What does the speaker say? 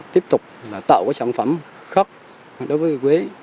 tiếp tục là tạo cái sản phẩm khóc đối với quế